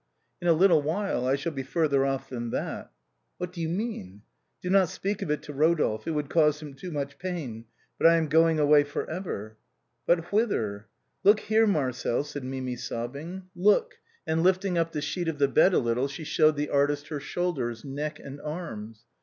" In a little while I shall be further off than that." " What do you mean ?" "Do not speak of it to Eodolphe, it would cause him too much pain, but I am going away for ever." "But whither?" " Look here. Marcel," said Mimi sobbing, " look." EPILOGUE TO THE LOVES OF RODOLPHE AND MIMI. 329 And lifting up the sheet of the bed a little she showed the artist her shoulders^, neck and arms.